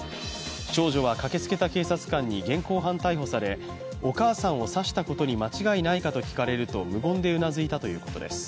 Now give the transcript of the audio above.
少女は駆けつけた警察官に現行犯逮捕され、お母さんを刺したことに間違いないかと聞かれると無言でうなずいたということです。